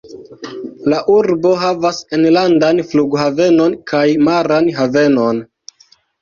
La urbo havas enlandan flughavenon kaj maran havenon.